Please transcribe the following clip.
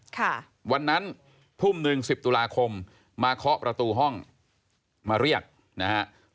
เพราะฉะนั้น๑ทุ่ม๑๐ตุลาคมมาเคาะประตูห้องมาเรียกนะฮะ